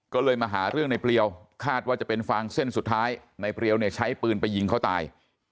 ก็เลยมาหาเรื่องในเปรียวคาดว่าจะเป็นฟางเส้นสุดท้ายในเปรียวเนี่ยใช้ปืนไปยิงเขาตาย